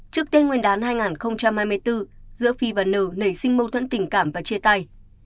trước tiên nguyên đán hai nghìn hai mươi bốn giữa phi và n nảy sinh mâu thuẫn tình cảm và chia tay